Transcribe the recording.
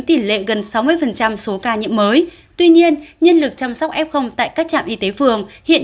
tỷ lệ gần sáu mươi số ca nhiễm mới tuy nhiên nhân lực chăm sóc f tại các trạm y tế phường hiện